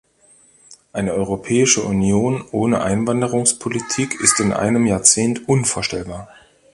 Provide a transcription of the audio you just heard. Eine Europäische Union ohne Einwanderungspolitik ist in einem Jahrzehnt unvorstellbar.